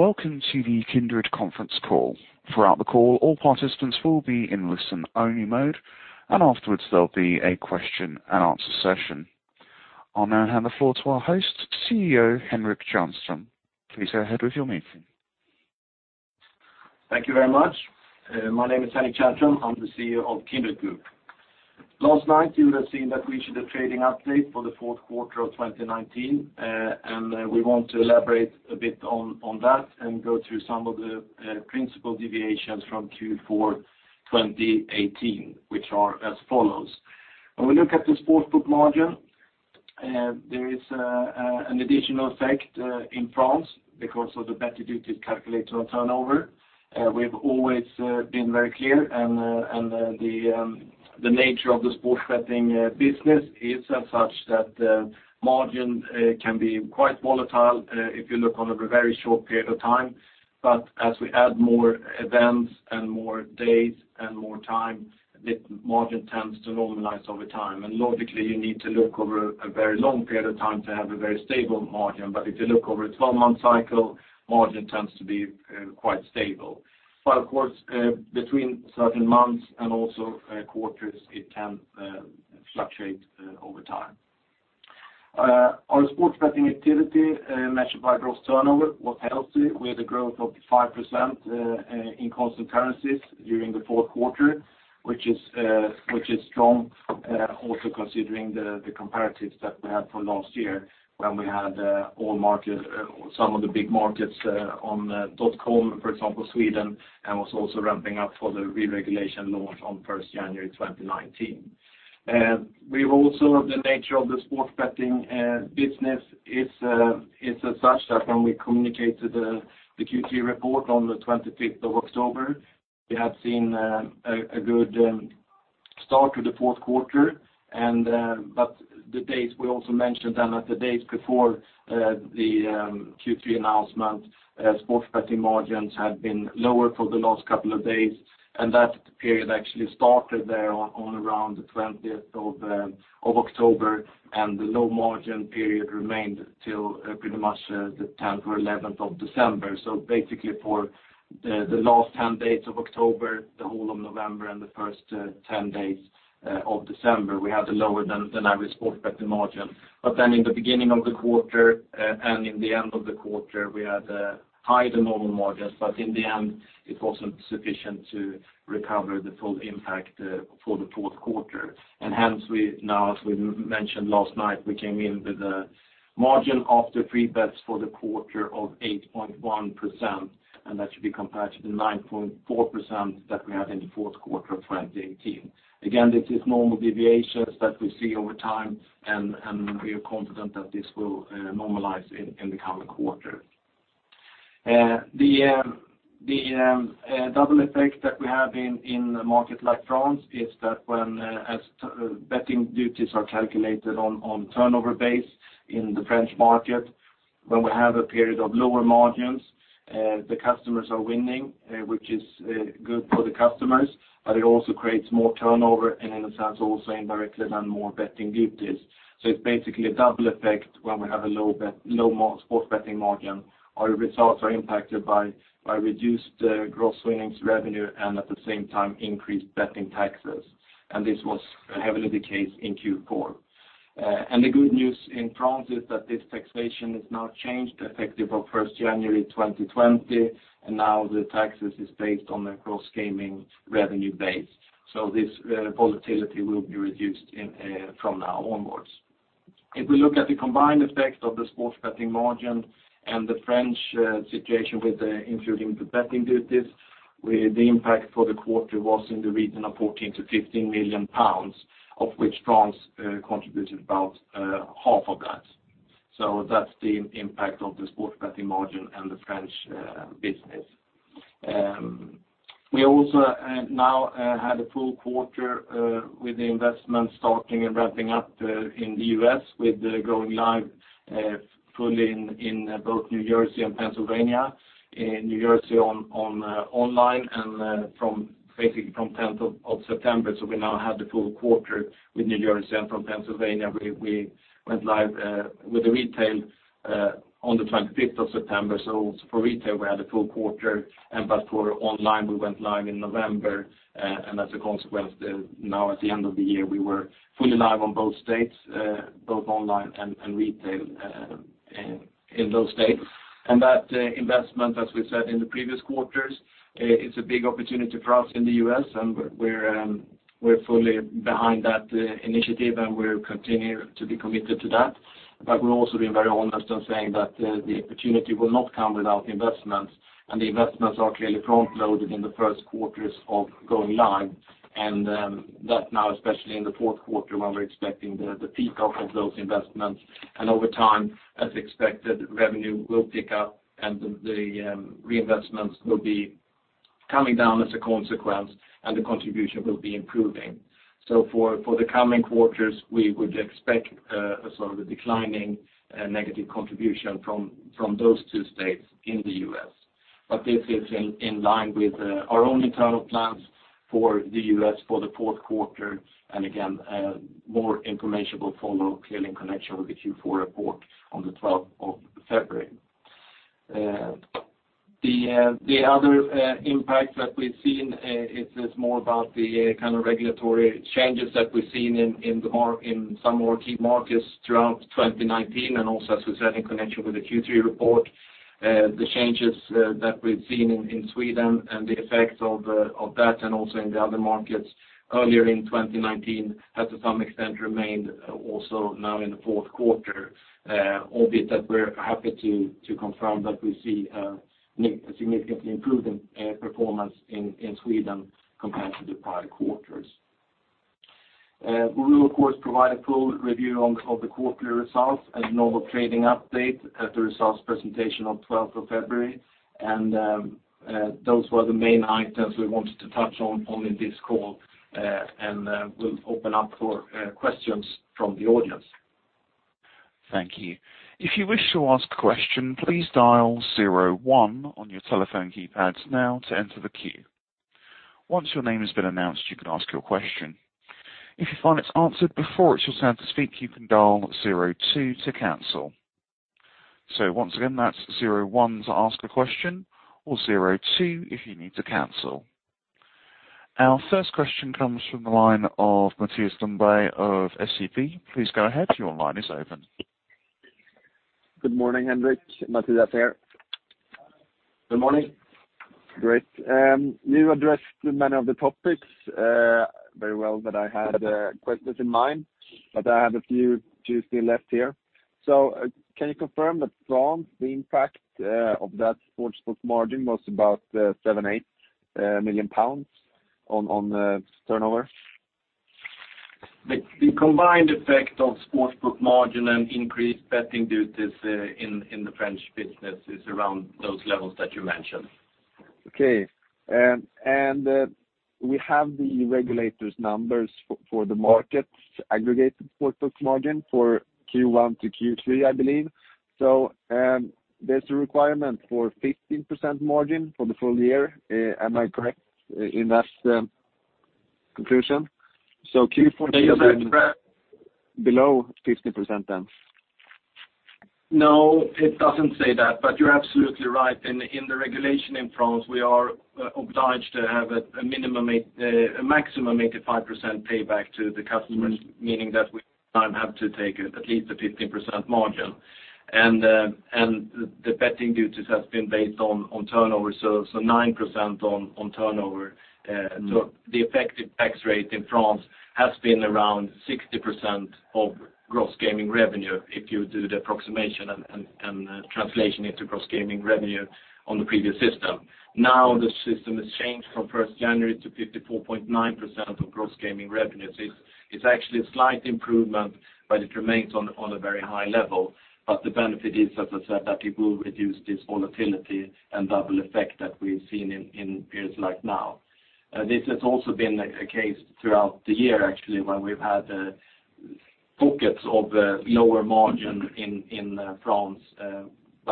Welcome to the Kindred conference call. Throughout the call, all participants will be in listen-only mode, and afterwards, there'll be a question-and-answer session. I'll now hand the floor to our host, CEO Henrik Tjärnström. Please go ahead with your meeting. Thank you very much. My name is Henrik Tjärnström. I am the CEO of Kindred Group. Last night, you would have seen that we issued a trading update for the 4th quarter of 2019. We want to elaborate a bit on that and go through some of the principal deviations from Q4 2018, which are as follows. When we look at the sportsbook margin, there is an additional effect in France because of the betting duty calculated on turnover. We have always been very clear. The nature of the sports betting business is such that the margin can be quite volatile if you look on over a very short period of time. As we add more events and more days and more time, the margin tends to normalize over time. Logically, you need to look over a very long period of time to have a very stable margin. If you look over a 12-month cycle, margin tends to be quite stable. Of course, between certain months and also quarters, it can fluctuate over time. Our sports betting activity, measured by gross turnover, was healthy with a growth of 5% in constant currencies during the fourth quarter, which is strong also considering the comparatives that we had for last year when we had some of the big markets on .com, for example, Sweden, and was also ramping up for the re-regulation launch on 1st January 2019. The nature of the sports betting business is such that when we communicated the Q3 report on the 25th of October, we have seen a good start to the fourth quarter. We also mentioned that the days before the Q3 announcement, sports betting margins had been lower for the last couple of days, and that period actually started there on around the 20th of October, and the low margin period remained till pretty much the 10th or 11th of December. Basically for the last 10 days of October, the whole of November, and the first 10 days of December, we had a lower-than-average sports betting margin. In the beginning of the quarter and in the end of the quarter, we had higher-than-normal margins, but in the end, it wasn't sufficient to recover the full impact for the fourth quarter. Hence, we now, as we mentioned last night, we came in with a margin after free bets for the quarter of 8.1%, and that should be compared to the 9.4% that we had in the fourth quarter of 2018. Again, this is normal deviations that we see over time, and we are confident that this will normalize in the coming quarter. The double effect that we have in a market like France is that when, as betting duties are calculated on turnover base in the French market, when we have a period of lower margins, the customers are winning, which is good for the customers, but it also creates more turnover and in a sense, also indirectly then more betting duties. It's basically a double effect when we have a low sports betting margin. Our results are impacted by reduced gross winnings revenue and at the same time increased betting taxes. This was heavily the case in Q4. The good news in France is that this taxation is now changed effective of 1st January 2020, and now the taxes is based on a gross gaming revenue base. This volatility will be reduced from now onwards. If we look at the combined effect of the sports betting margin and the French situation with including the betting duties, the impact for the quarter was in the region of £14 to £15 million, of which France contributed about half of that. That's the impact of the sports betting margin and the French business. We also now had a full quarter with the investment starting and ramping up in the U.S. with going live fully in both New Jersey and Pennsylvania. In New Jersey online basically from 10th of September. We now have the full quarter with New Jersey and from Pennsylvania, we went live with the retail on the 25th of September. For retail, we had a full quarter, for online, we went live in November. As a consequence, now at the end of the year, we were fully live on both states, both online and retail in those states. That investment, as we said in the previous quarters, it's a big opportunity for us in the U.S., and we're fully behind that initiative, and we continue to be committed to that. We're also being very honest on saying that the opportunity will not come without investments, and the investments are clearly front-loaded in the first quarters of going live, and that now, especially in the fourth quarter, when we're expecting the peak of those investments. Over time, as expected, revenue will pick up and the reinvestments will be coming down as a consequence, and the contribution will be improving. For the coming quarters, we would expect a sort of a declining negative contribution from those two states in the U.S. This is in line with our own internal plans for the U.S. for the fourth quarter. Again, more information will follow clearly in connection with the Q4 report on the 12th of February. The other impact that we've seen is more about the kind of regulatory changes that we've seen in some of our key markets throughout 2019, and also, as we said, in connection with the Q3 report. The changes that we've seen in Sweden and the effects of that, and also in the other markets earlier in 2019, have to some extent remained also now in the fourth quarter. Albeit that we're happy to confirm that we see a significantly improved performance in Sweden compared to the prior quarters. We will, of course, provide a full review of the quarterly results and normal trading update at the results presentation on 12th of February. Those were the main items we wanted to touch on only this call, and we'll open up for questions from the audience. Thank you. If you wish to ask a question, please dial zero one on your telephone keypads now to enter the queue. Once your name has been announced, you can ask your question. If you find it's answered before it's your turn to speak, you can dial zero two to cancel. Once again, that's zero one to ask a question or zero two if you need to cancel. Our first question comes from the line of Matias Düménil of SEB. Please go ahead. Your line is open. Good morning, Henrik. Matias here. Good morning. Great. You addressed many of the topics very well that I had questions in mind. I have a few still left here. Can you confirm that France, the impact of that sportsbook margin was about GBP seven, eight million on turnover? The combined effect of sportsbook margin and increased betting duties in the French business is around those levels that you mentioned. Okay. We have the regulators' numbers for the markets, aggregated sportsbook margin for Q1 to Q3, I believe. There's a requirement for 15% margin for the full year. Am I correct in that conclusion? Q4- It doesn't say- below 15% then. No, it doesn't say that, but you're absolutely right. In the regulation in France, we are obliged to have a maximum 85% payback to the customers, meaning that we have to take at least a 15% margin. The betting duties has been based on turnover, so 9% on turnover. The effective tax rate in France has been around 60% of gross gaming revenue, if you do the approximation and translation into gross gaming revenue on the previous system. The system has changed from 1st January to 54.9% of gross gaming revenues. It's actually a slight improvement, but it remains on a very high level. The benefit is, as I said, that it will reduce this volatility and double effect that we've seen in periods like now. This has also been a case throughout the year, actually, when we've had pockets of lower margin in France.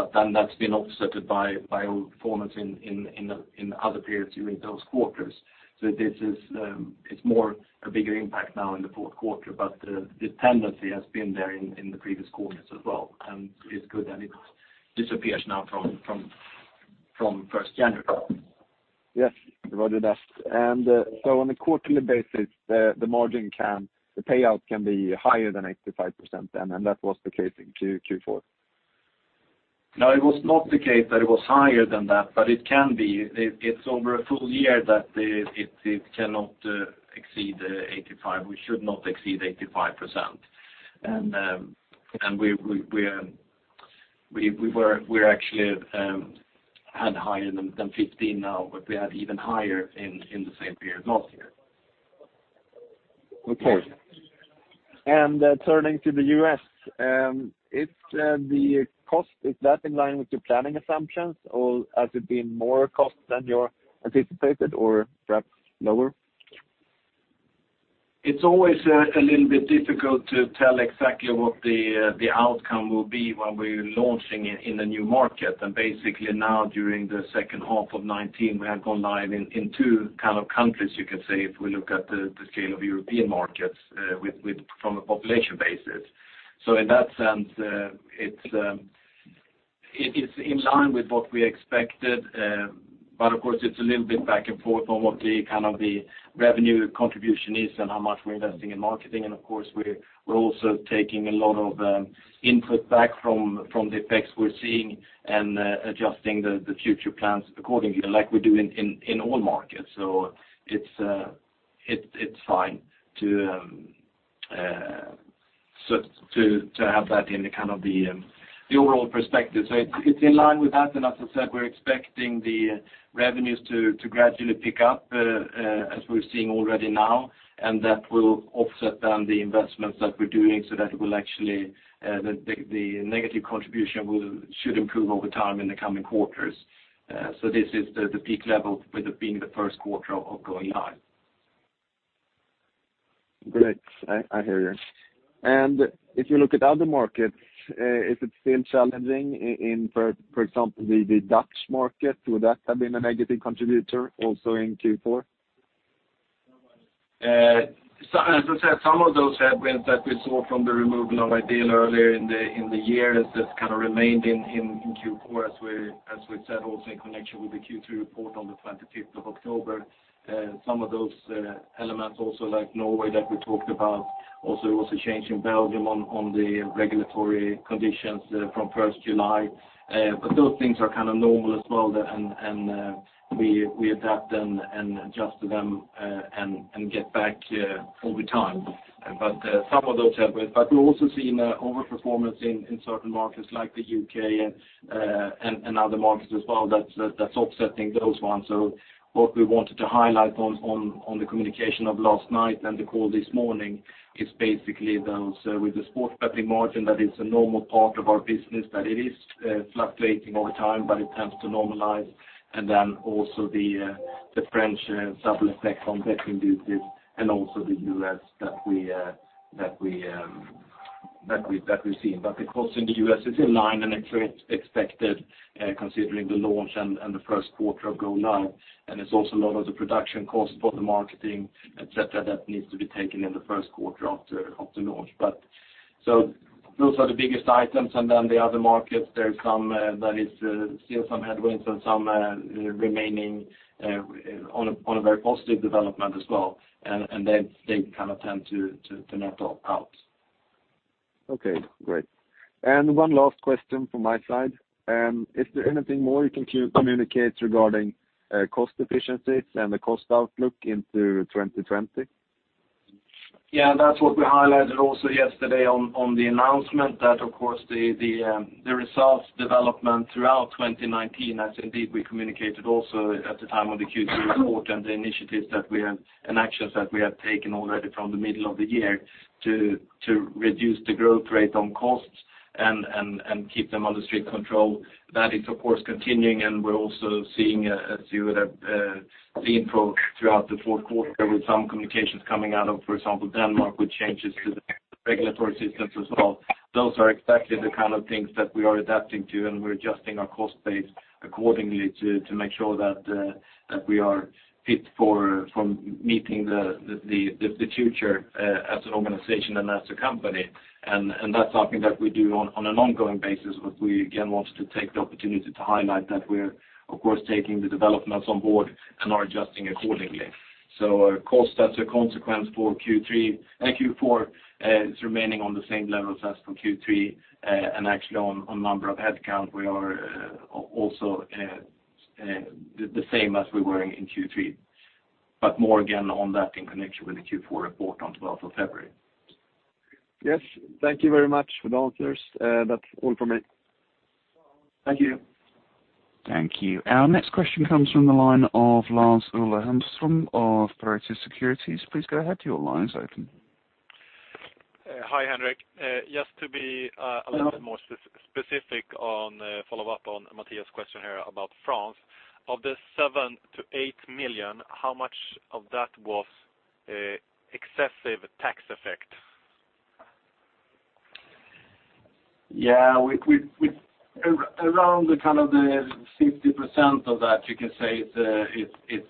That's been offset by our performance in other periods during those quarters. It's more a bigger impact now in the fourth quarter, but the tendency has been there in the previous quarters as well, and it's good, and it disappears now from 1st January. Yes, regarding that. On a quarterly basis, the payout can be higher than 85% then, and that was the case in Q4? No, it was not the case that it was higher than that, but it can be. It's over a full year that it cannot exceed 85%. We should not exceed 85%. We actually had higher than 15% now, but we had even higher in the same period last year. Okay. Turning to the U.S., is the cost, is that in line with your planning assumptions, or has it been more cost than you anticipated or perhaps lower? It's always a little bit difficult to tell exactly what the outcome will be when we're launching in a new market. Basically now during the second half of 2019, we have gone live in two kind of countries, you could say, if we look at the scale of European markets from a population basis. In that sense, it's in line with what we expected. Of course, it's a little bit back and forth on what the revenue contribution is and how much we're investing in marketing. Of course, we're also taking a lot of input back from the effects we're seeing and adjusting the future plans accordingly, like we do in all markets. It's fine to have that in the kind of the overall perspective. It's in line with that. As I said, we're expecting the revenues to gradually pick up as we're seeing already now, and that will offset then the investments that we're doing, so that the negative contribution should improve over time in the coming quarters. This is the peak level with it being the first quarter of going live. Great. I hear you. If you look at other markets, is it still challenging in, for example, the Dutch market? Would that have been a negative contributor also in Q4? As I said, some of those headwinds that we saw from the removal of iDEAL earlier in the year has just kind of remained in Q4, as we've said, also in connection with the Q3 report on the 25th of October. Some of those elements also like Norway that we talked about, also there was a change in Belgium on the regulatory conditions from 1st July. Those things are kind of normal as well, and we adapt and adjust to them, and get back over time. Some of those headwinds, we're also seeing over-performance in certain markets like the U.K. and other markets as well that's offsetting those ones. What we wanted to highlight on the communication of last night and the call this morning is basically those with the sports betting margin, that is a normal part of our business, that it is fluctuating over time, but it tends to normalize. Also the French subtle effect on betting duties and also the U.S. that we've seen. The cost in the U.S. is in line and actually expected considering the launch and the first quarter of go live. It's also a lot of the production cost for the marketing, et cetera, that needs to be taken in the first quarter after launch. Those are the biggest items, then the other markets, there's some that is still some headwinds and some remaining on a very positive development as well. They kind of tend to net out. Okay, great. One last question from my side. Is there anything more you can communicate regarding cost efficiencies and the cost outlook into 2020? That's what we highlighted also yesterday on the announcement that, of course, the results development throughout 2019, as indeed we communicated also at the time of the Q3 report and the initiatives and actions that we have taken already from the middle of the year to reduce the growth rate on costs and keep them under strict control. That is, of course, continuing. We're also seeing, as you would have seen throughout the fourth quarter, with some communications coming out of, for example, Denmark, with changes to the regulatory systems as well. Those are exactly the kind of things that we are adapting to. We're adjusting our cost base accordingly to make sure that we are fit for meeting the future as an organization and as a company. That's something that we do on an ongoing basis, but we again wanted to take the opportunity to highlight that we're, of course, taking the developments on board and are adjusting accordingly. Our cost as a consequence for Q4 is remaining on the same levels as for Q3. Actually on number of headcount, we are also the same as we were in Q3. More again on that in connection with the Q4 report on 12th of February. Yes. Thank you very much for the answers. That's all from me. Thank you. Thank you. Our next question comes from the line of Lars-Ola Hellström of Pareto Securities. Please go ahead, your line is open. Hi, Henrik. Just to be a little more specific on follow-up on Matias' question here about France. Of the 7 million-8 million, how much of that was excessive tax effect? Around the kind of the 50% of that you can say is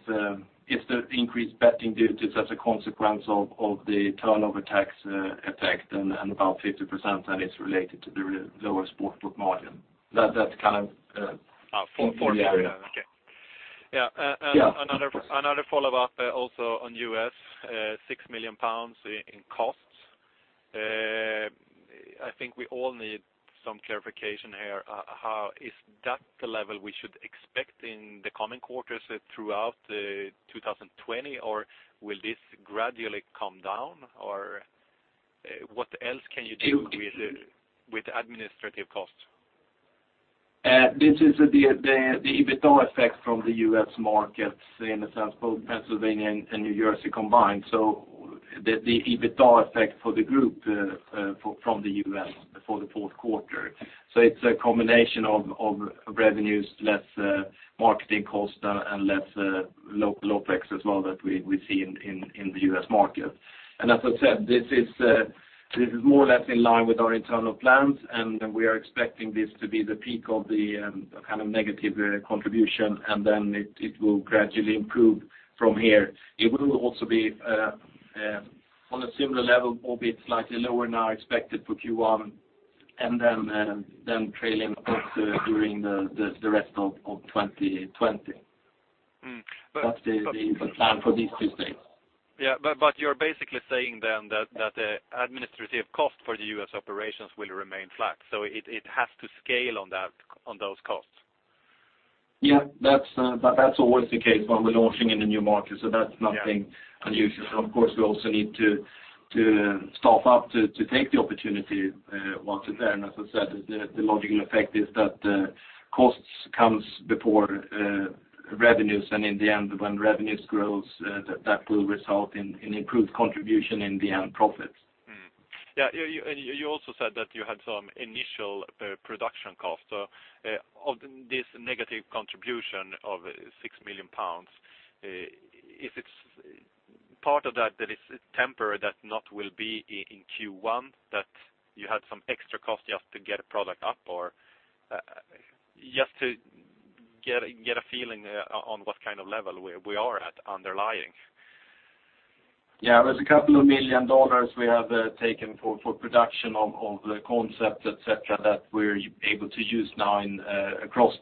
the increased betting duties as a consequence of the turnover tax effect and about 50% that is related to the lower sportsbook margin. That's kind of. For France. Okay. Yeah. Another follow-up also on U.S., 6 million pounds in costs. I think we all need some clarification here. Is that the level we should expect in the coming quarters throughout 2020, or will this gradually come down? What else can you do with administrative costs? This is the EBITDA effect from the U.S. markets in the sense both Pennsylvania and New Jersey combined. The EBITDA effect for the group from the U.S. for the fourth quarter. It's a combination of revenues, less marketing cost and less local OpEx as well that we see in the U.S. market. As I said, this is more or less in line with our internal plans, and we are expecting this to be the peak of the kind of negative contribution, and then it will gradually improve from here. It will also be on a similar level, albeit slightly lower now expected for Q1, and then trailing off during the rest of 2020. That's the plan for these two things. You're basically saying then that the administrative cost for the U.S. operations will remain flat. It has to scale on those costs. That's always the case when we're launching in a new market, so that's nothing unusual. Of course, we also need to staff up to take the opportunity once it's there. As I said, the logical effect is that costs comes before revenues, and in the end, when revenues grows, that will result in improved contribution in the end profit. You also said that you had some initial production costs of this negative contribution of 6 million pounds. If it's part of that that is temporary, that not will be in Q1, that you had some extra cost just to get a product up, or just to get a feeling on what kind of level we are at underlying. Yeah. There's a couple of million dollars we have taken for production of the concept, et cetera, that we're able to use now across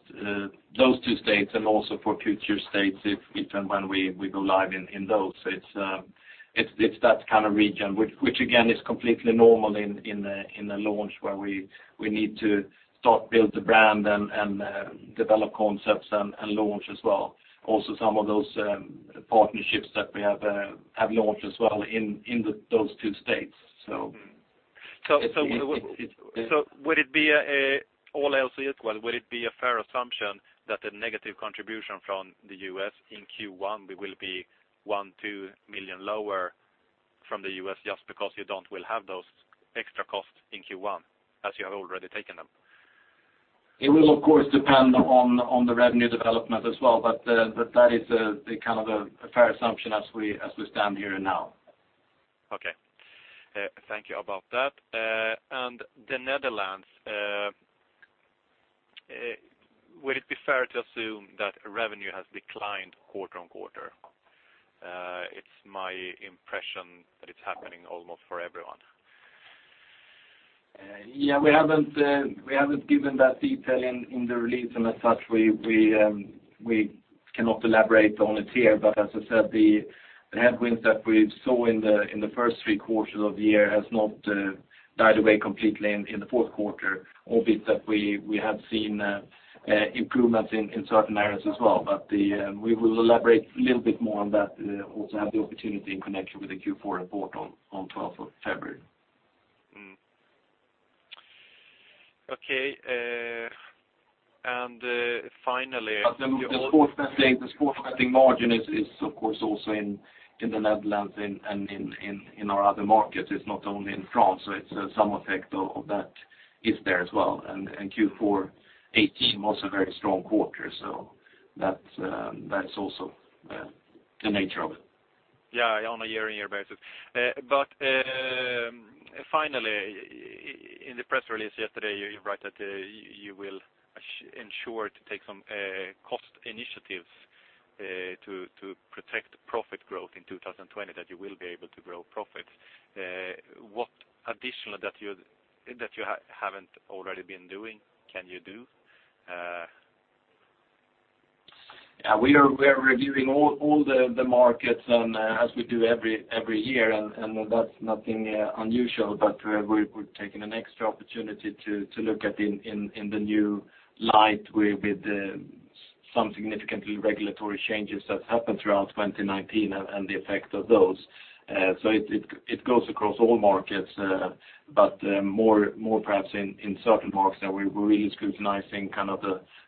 those two states and also for future states if and when we go live in those. It's that kind of region, which again, is completely normal in a launch where we need to start build the brand and develop concepts and launch as well. Some of those partnerships that we have launched as well in those two states. Would it be, all else equal, would it be a fair assumption that the negative contribution from the U.S. in Q1 will be 1 million-2 million lower from the U.S. just because you don't will have those extra costs in Q1, as you have already taken them? It will, of course, depend on the revenue development as well, but that is the kind of a fair assumption as we stand here now. Okay. Thank you about that. The Netherlands, would it be fair to assume that revenue has declined quarter-on-quarter? It's my impression that it's happening almost for everyone. Yeah, we haven't given that detail in the release. As such, we cannot elaborate on it here. As I said, the headwinds that we saw in the first three quarters of the year has not died away completely in the fourth quarter, albeit that we have seen improvements in certain areas as well. We will elaborate a little bit more on that, also have the opportunity in connection with the Q4 report on 12th of February. Okay. finally. The sports betting margin is, of course, also in the Netherlands and in our other markets. It's not only in France. Some effect of that is there as well. Q4 2018 was a very strong quarter, so that's also the nature of it. Yeah, on a year-on-year basis. Finally, in the press release yesterday, you write that you will ensure to take some cost initiatives to protect profit growth in 2020, that you will be able to grow profit. What additional that you haven't already been doing can you do? We are reviewing all the markets as we do every year, and that's nothing unusual. We're taking an extra opportunity to look at in the new light with some significant regulatory changes that happened throughout 2019 and the effect of those. It goes across all markets, but more perhaps in certain markets that we're really scrutinizing kind of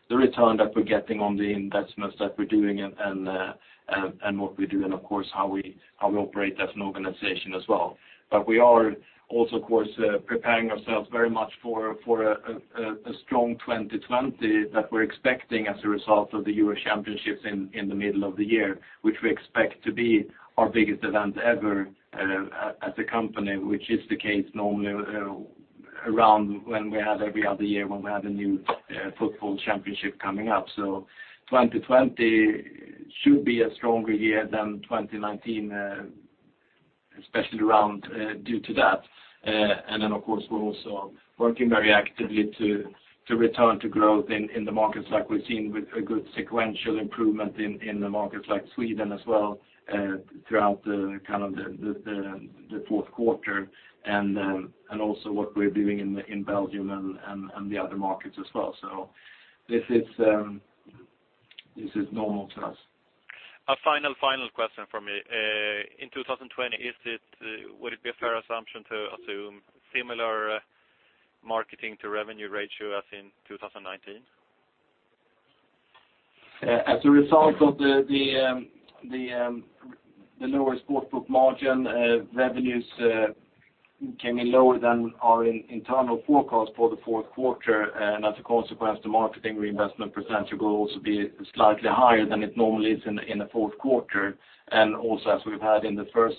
the return that we're getting on the investments that we're doing and what we do and of course, how we operate as an organization as well. We are also, of course, preparing ourselves very much for a strong 2020 that we're expecting as a result of the Euro championships in the middle of the year, which we expect to be our biggest event ever as a company, which is the case normally around when we have every other year when we have a new football championship coming up. 2020 should be a stronger year than 2019, especially around due to that. Of course, we're also working very actively to return to growth in the markets like we've seen with a good sequential improvement in the markets like Sweden as well throughout the fourth quarter, and also what we're doing in Belgium and the other markets as well. This is normal to us. A final question from me. In 2020, would it be a fair assumption to assume similar marketing to revenue ratio as in 2019? As a result of the lower sportsbook margin, revenues came in lower than our internal forecast for the fourth quarter. As a consequence, the marketing reinvestment percentage will also be slightly higher than it normally is in the fourth quarter. Also, as we've had in the first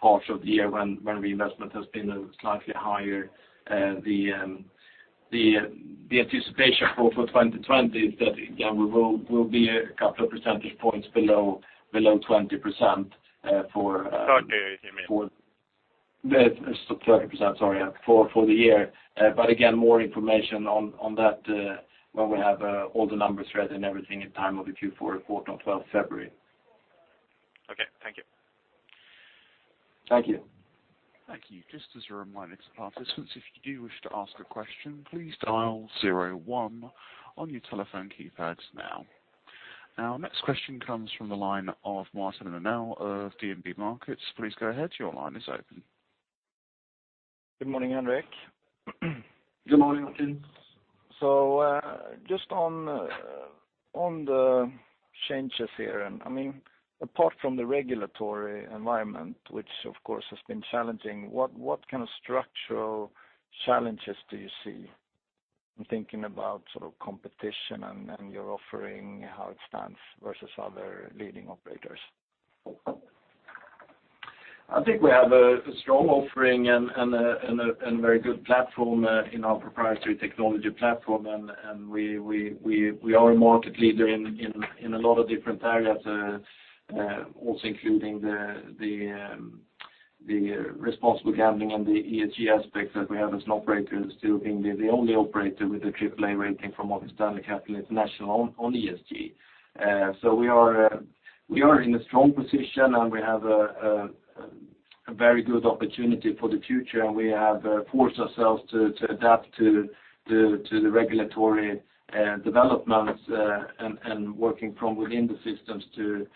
part of the year when reinvestment has been slightly higher, the anticipation for 2020 is that, again, we will be a couple of percentage points below 20% for. 30, you mean? 30%, sorry. For the year. Again, more information on that when we have all the numbers ready and everything in time of the Q4 report on 12th February. Okay. Thank you. Thank you. Thank you. Just as a reminder to participants, if you do wish to ask a question, please dial zero one on your telephone keypads now. Our next question comes from the line of Martin Arnell of DNB Markets. Please go ahead, your line is open. Good morning, Henrik. Good morning, Martin. Just on the changes here, apart from the regulatory environment, which of course has been challenging, what kind of structural challenges do you see? I'm thinking about competition and your offering, how it stands versus other leading operators. I think we have a strong offering and very good platform in our proprietary technology platform. We are a market leader in a lot of different areas, also including the responsible gambling and the ESG aspects that we have as an operator in still being the only operator with a triple A rating from Morgan Stanley Capital International on ESG. We are in a strong position, and we have a very good opportunity for the future, and we have forced ourselves to adapt to the regulatory developments, and working from within the systems to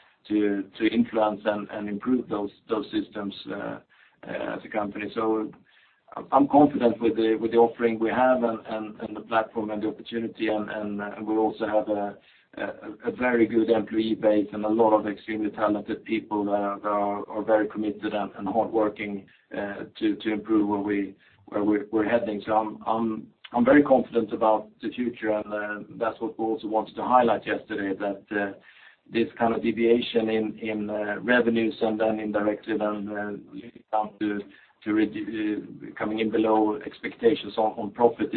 influence and improve those systems as a company. I'm confident with the offering we have and the platform and the opportunity. We also have a very good employee base and a lot of extremely talented people that are very committed and hardworking to improve where we're heading. I'm very confident about the future, and that's what we also wanted to highlight yesterday, that this kind of deviation in revenues and then indirectly then leading down to coming in below expectations on profit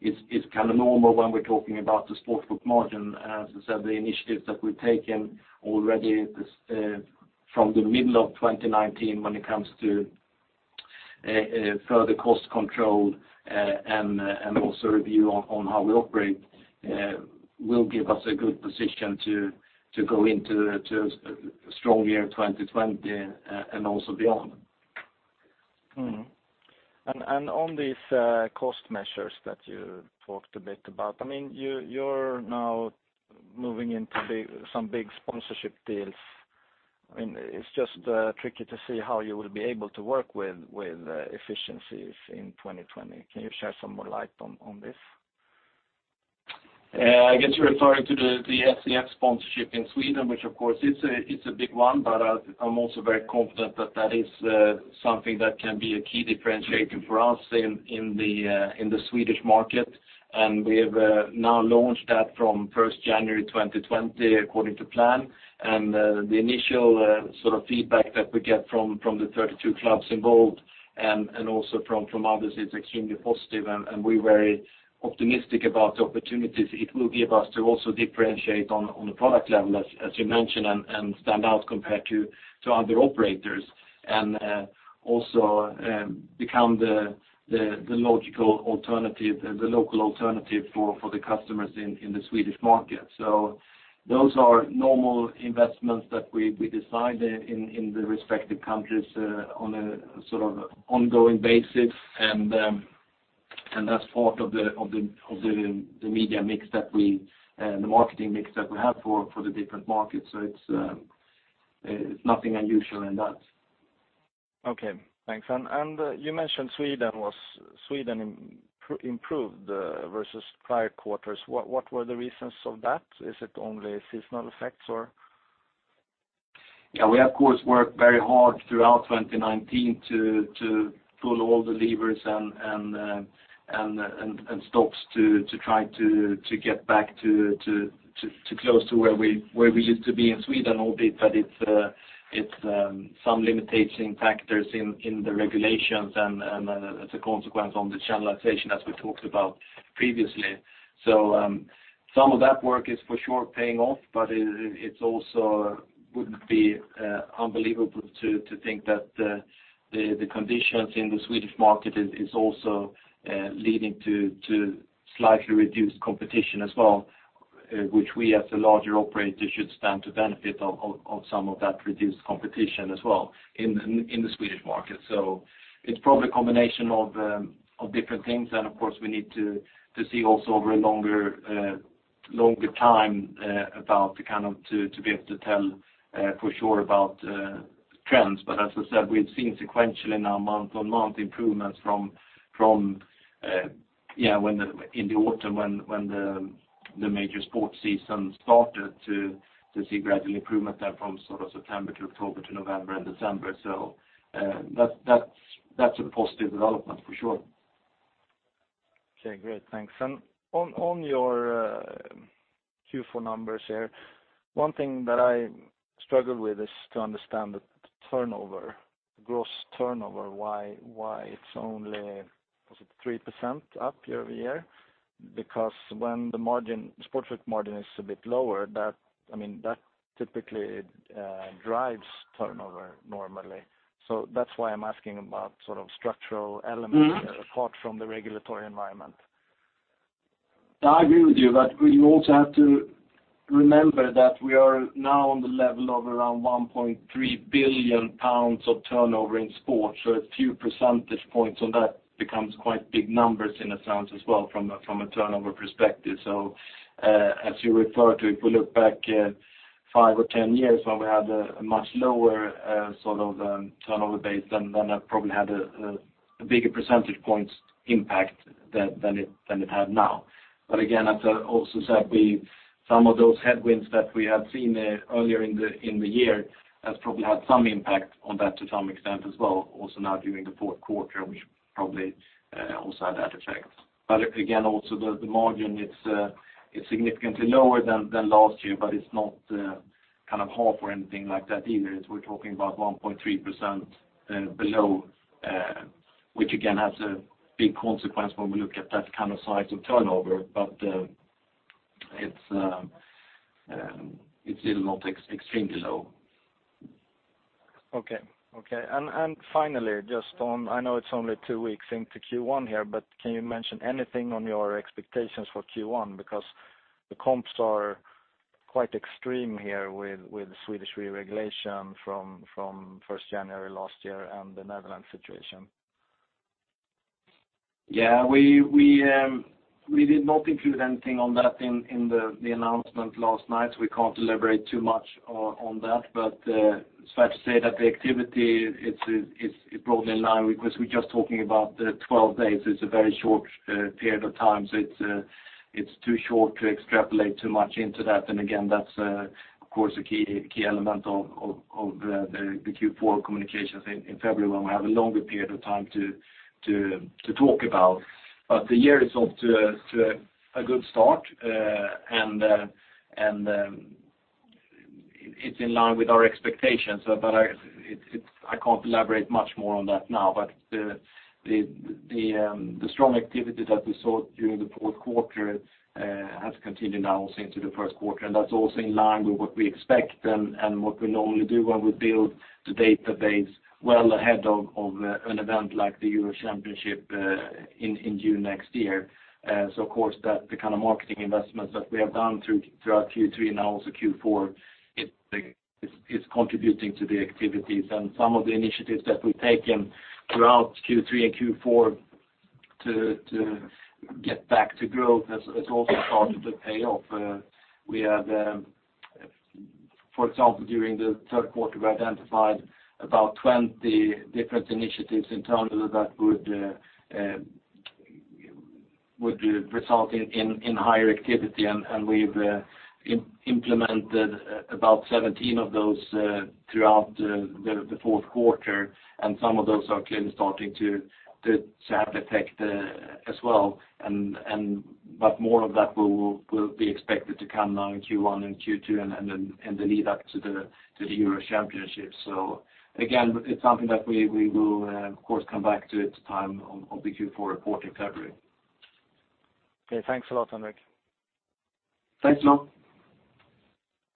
is kind of normal when we're talking about the Sportsbook margin. As I said, the initiatives that we've taken already from the middle of 2019 when it comes to further cost control and also review on how we operate will give us a good position to go into a strong year 2020 and also beyond. On these cost measures that you talked a bit about, you're now moving into some big sponsorship deals. It's just tricky to see how you will be able to work with efficiencies in 2020. Can you shed some more light on this? I guess you're referring to the SEF sponsorship in Sweden, which of course it's a big one, but I'm also very confident that that is something that can be a key differentiator for us in the Swedish market. We have now launched that from 1st January 2020 according to plan. The initial sort of feedback that we get from the 32 clubs involved and also from others is extremely positive, and we're very optimistic about the opportunities it will give us to also differentiate on the product level, as you mentioned, and stand out compared to other operators. Also become the local alternative for the customers in the Swedish market. Those are normal investments that we decide in the respective countries on an ongoing basis. That's part of the media mix, the marketing mix that we have for the different markets. It's nothing unusual in that. Okay, thanks. You mentioned Sweden improved versus prior quarters. What were the reasons for that? Is it only seasonal effects or? We of course work very hard throughout 2019 to pull all the levers and stops to try to get back to close to where we used to be in Sweden albeit, but it's some limiting factors in the regulations and as a consequence on the channelization as we talked about previously. Some of that work is for sure paying off, but it also wouldn't be unbelievable to think that the conditions in the Swedish market is also leading to slightly reduced competition as well, which we as a larger operator should stand to benefit of some of that reduced competition as well in the Swedish market. It's probably a combination of different things, and of course we need to see also over a longer time about to be able to tell for sure about trends. As I said, we've seen sequentially now month-on-month improvements from in the autumn when the major sports season started to see gradual improvement there from sort of September to October to November and December. That's a positive development for sure. Okay, great. Thanks. On your Q4 numbers here, one thing that I struggle with is to understand the turnover, gross turnover, why it is only, was it 3% up year-over-year? When the margin, Sportsbook margin is a bit lower, that typically drives turnover normally. That is why I am asking about sort of structural elements apart from the regulatory environment. I agree with you, but you also have to remember that we are now on the level of around 1.3 billion pounds of turnover in sports. A few percentage points on that becomes quite big numbers in a sense as well from a turnover perspective. As you refer to, if we look back five or 10 years when we had a much lower sort of turnover base, then that probably had a bigger percentage points impact than it had now. Again, as I also said, some of those headwinds that we have seen earlier in the year has probably had some impact on that to some extent as well. Also now during the fourth quarter, we probably also had that effect. Again, also the margin, it's significantly lower than last year, but it's not half or anything like that either, as we're talking about 1.3% below. Which again, has a big consequence when we look at that kind of size of turnover. It's still not extremely low. Okay. Finally, I know it's only two weeks into Q1 here, but can you mention anything on your expectations for Q1? Because the comps are quite extreme here with the Swedish regulation from 1st January last year and the Netherlands situation. Yeah, we did not include anything on that in the announcement last night, we can't elaborate too much on that. It's fair to say that the activity, it's broadly in line with, because we're just talking about the 12 days. It's a very short period of time. It's too short to extrapolate too much into that. Again, that's, of course, a key element of the Q4 communications in February when we have a longer period of time to talk about. The year is off to a good start, and it's in line with our expectations. I can't elaborate much more on that now. The strong activity that we saw during the 4th quarter has continued now into the 1st quarter, and that's also in line with what we expect and what we normally do when we build the database well ahead of an event like the Euro championships in June next year. Of course, the kind of marketing investments that we have done throughout Q3 and now also Q4, it's contributing to the activities and some of the initiatives that we've taken throughout Q3 and Q4 to get back to growth has also started to pay off. For example, during the 3rd quarter, we identified about 20 different initiatives in terms of that would result in higher activity, and we've implemented about 17 of those throughout the 4th quarter, and some of those are clearly starting to have effect as well. More of that will be expected to come now in Q1 and Q2 and in the lead up to the Euro championships. Again, it's something that we will, of course, come back to at the time of the Q4 report in February. Okay. Thanks a lot, Henrik. Thanks, Arnell.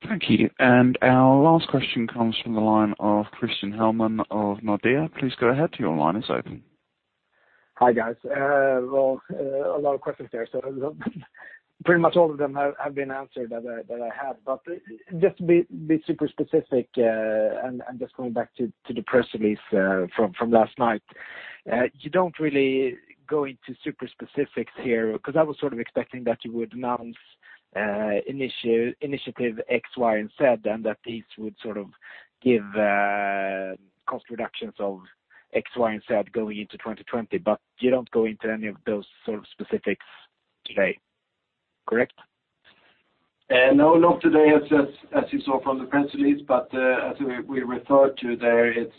Thank you. Our last question comes from the line of Christian Hellman of Nordea. Please go ahead. Your line is open. Hi, guys. Well, a lot of questions there. Pretty much all of them have been answered that I had. Just to be super specific, and just going back to the press release from last night. You don't really go into super specifics here, because I was sort of expecting that you would announce initiative X, Y, and Z, and that these would sort of give cost reductions of X, Y, and Z going into 2020. You don't go into any of those sort of specifics today, correct? No, not today, as you saw from the press release. As we referred to there, it's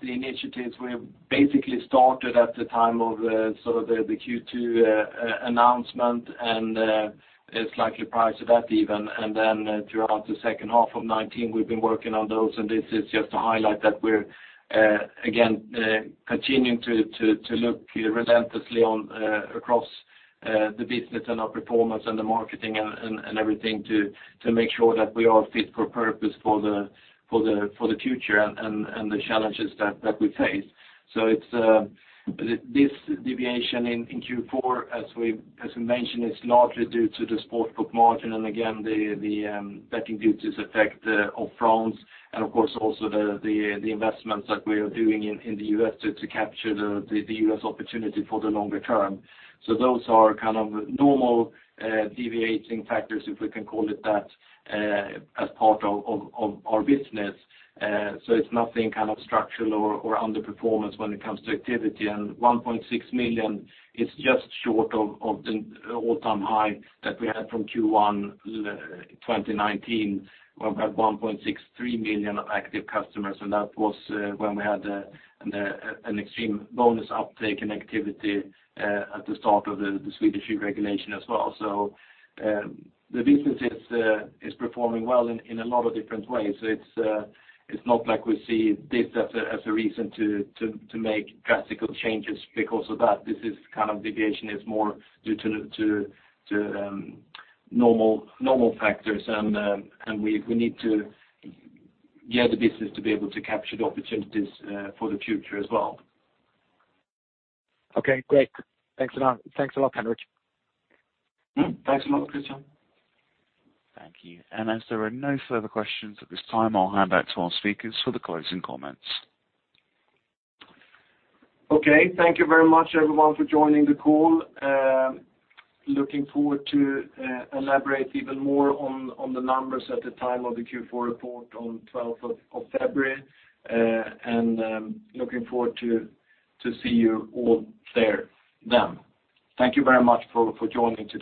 the initiatives we have basically started at the time of the Q2 announcement, and slightly prior to that even. Throughout the second half of 2019, we've been working on those, and this is just to highlight that we're again, continuing to look relentlessly across the business and our performance and the marketing and everything to make sure that we are fit for purpose for the future and the challenges that we face. This deviation in Q4, as we mentioned, is largely due to the sports book margin and again, the betting duties effect of France and of course also the investments that we are doing in the U.S. to capture the U.S. opportunity for the longer term. Those are kind of normal deviating factors, if we can call it that, as part of our business. It's nothing kind of structural or underperformance when it comes to activity. 1.6 million is just short of the all-time high that we had from Q1 2019, where we had 1.63 million active customers, and that was when we had an extreme bonus uptake and activity at the start of the Swedish re-regulation as well. The business is performing well in a lot of different ways. It's not like we see this as a reason to make drastic changes because of that. This is kind of deviation is more due to normal factors, and we need to gear the business to be able to capture the opportunities for the future as well. Okay, great. Thanks a lot, Henrik. Thanks a lot, Christian. Thank you. As there are no further questions at this time, I'll hand back to our speakers for the closing comments. Okay. Thank you very much, everyone, for joining the call. Looking forward to elaborate even more on the numbers at the time of the Q4 report on 12th of February. Looking forward to see you all there then. Thank you very much for joining today.